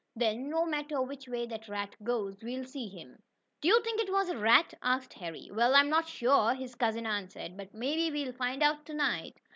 "Then, no matter which way that rat goes, we'll see him." "Do you think it was a rat?" asked Harry. "Well, I'm not sure," his cousin answered. "But maybe we'll find out to night."